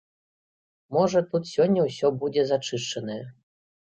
Можа, тут сёння ўсё будзе зачышчанае.